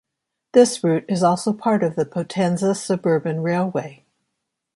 This route is also part of the Potenza Suburban Railway.